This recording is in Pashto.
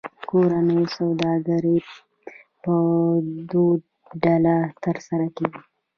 کورنۍ سوداګري په دوه ډوله ترسره کېږي